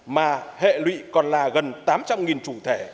mà hệ lụy còn là gần tám trăm linh chủ thể